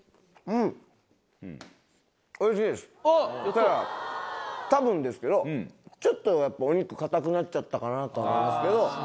ただたぶんですけどちょっとやっぱお肉硬くなっちゃったかなとは思いますけど。